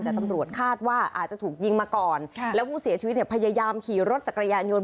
แต่ตำรวจคาดว่าอาจจะถูกยิงมาก่อนแล้วผู้เสียชีวิตเนี่ยพยายามขี่รถจักรยานยนต